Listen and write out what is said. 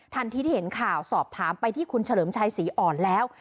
ทันทีที่เห็นข่าวสอบถามไปที่คุณเฉลิมชัยศรีอ่อนแล้ว